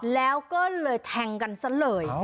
แล้วก็เลยแทงกันซะเลย